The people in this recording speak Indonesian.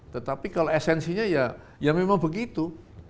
tetapi kalau esensinya ya memang begitu